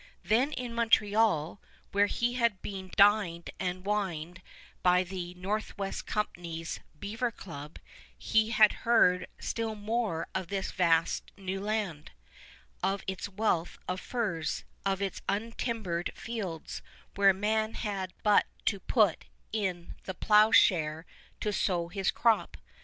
Then in Montreal, where he had been dined and wined by the Northwest Company's "Beaver Club," he had heard still more of this vast new land, of its wealth of furs, of its untimbered fields, where man had but to put in the plowshare to sow his crop.